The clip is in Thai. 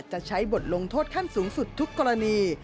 จะใช้บทลงโทษขั้นสูงสุดทุกกรณี